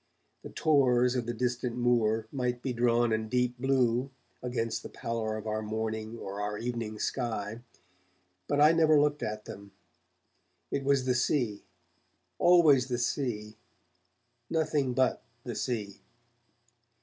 The tors of the distant moor might be drawn in deep blue against the pallor of our morning or our evening sky, but I never looked at them. It was the Sea, always the sea, nothing but the sea.